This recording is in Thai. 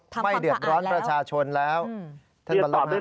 ทำความสะอาดแล้วทำความสะอาดแล้วไม่เดือดร้อนประชาชนแล้ว